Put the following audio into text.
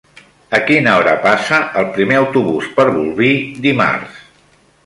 A quina hora passa el primer autobús per Bolvir dimarts?